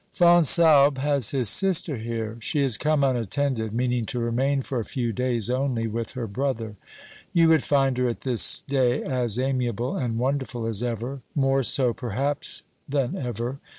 Fonsalbe has his sister here. She has come unattended, meaning to remain for a few days only with her brother. You would find her at this day as amiable and wonderful as ever, more so perhaps than ever.